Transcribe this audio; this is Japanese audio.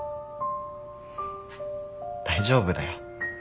大丈夫だよ。